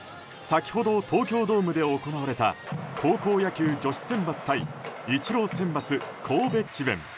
先ほど東京ドームで行われた高校野球女子選抜対イチロー選抜ＫＯＢＥＣＨＩＢＥＮ。